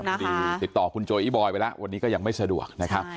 ยินดีติดต่อคุณโจอีบอยไปแล้ววันนี้ก็ยังไม่สะดวกนะครับ